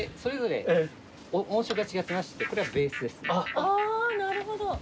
あぁなるほど。